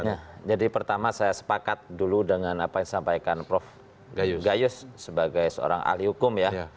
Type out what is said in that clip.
ya jadi pertama saya sepakat dulu dengan apa yang disampaikan prof gayus sebagai seorang ahli hukum ya